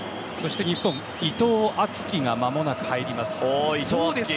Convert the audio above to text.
日本、伊藤敦樹が間もなく入ります。